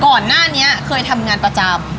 ก่อนหน้านี้เคยทำงานประจำ